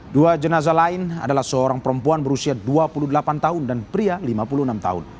dua jenazah lain adalah seorang perempuan berusia dua puluh delapan tahun dan pria lima puluh enam tahun